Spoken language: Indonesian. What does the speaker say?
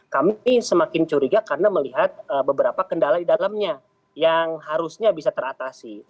kami semakin curiga karena melihat beberapa kendala di dalamnya yang harusnya bisa teratasi